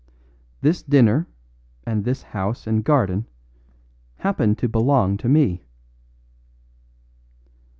This dinner and this house and garden happen to belong to me."